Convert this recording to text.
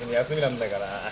休みなんだから。